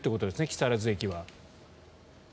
木更津駅は。